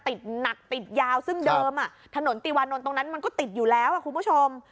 ติดหนักติดยาวซึ่งเดิมถนนติวานนท์ตรงนั้นมันก็ติดอยู่แล้วคุณผู้ชม